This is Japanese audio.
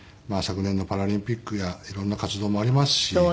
昨年のパラリンピックや色んな活動もありますし。